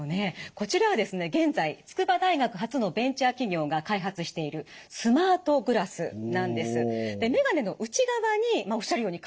こちらはですね現在筑波大学発のベンチャー企業が開発しているスマートグラスなんです。